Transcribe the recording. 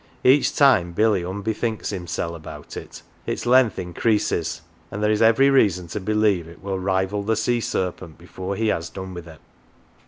Each time Billy "unbethinks himsel'" about it, its length increases, and there is every reason to believe it will rival the sea serpent before he has done with it.